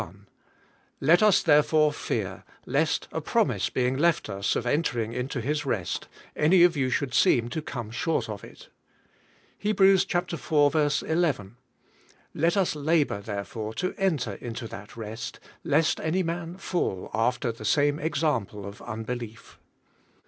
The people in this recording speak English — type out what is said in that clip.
— Let us therefore fear, lest, a projnise be ing left us of entering into His rest, any of you should seem to rotne short of it. Hebrerus 4: II — .Let us labor therefore to enter into that rest, lest any man fall after the same example of un belief.